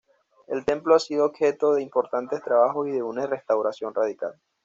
El templo ha sido objeto de importantes trabajos y de una restauración radical.